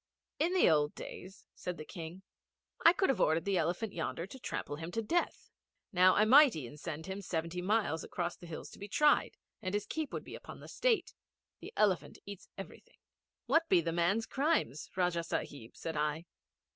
'In the old days,' said the King, 'I could have ordered the Elephant yonder to trample him to death. Now I must e'en send him seventy miles across the hills to be tried, and his keep would be upon the State. The Elephant eats everything.' 'What be the man's crimes, Rajah Sahib?' said I.